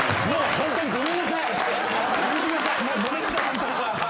ホントにごめんなさい。